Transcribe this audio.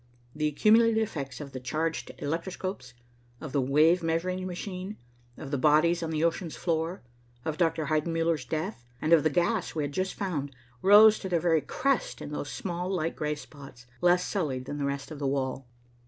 The accumulated effects of the charged electroscopes, of the wave measuring machine, of the bodies on the ocean's floor, of Dr. Heidenmuller's death, and of the gas we had just found, rose to their very crest in those small, light gray spots, less sullied than the rest of the wall.